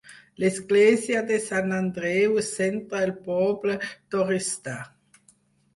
L'església de Sant Andreu centra el poble d'Oristà.